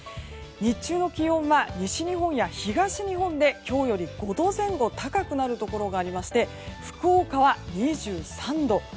日中の気温は西日本や東日本で今日より５度前後高くなるところがあり福岡は２３度。